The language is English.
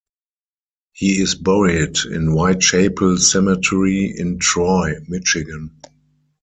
He is buried in White Chapel Cemetery in Troy, Michigan.